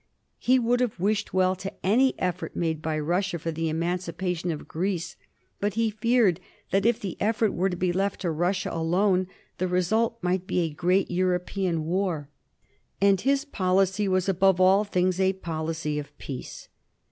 He would have wished well to any effort made by Russia for the emancipation of Greece, but he feared that if the effort were to be left to Russia alone the result might be a great European war, and his policy was above all things a policy of peace.